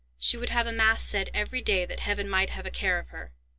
She would have a mass said every day that Heaven might have a care of her!